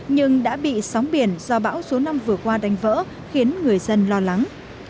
nhưng đã bị sóng biển do bão số năm vừa qua đánh vỡ khiến người dân lo lắng